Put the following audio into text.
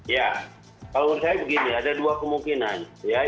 ya kalau menurut saya begini ada dua kemungkinan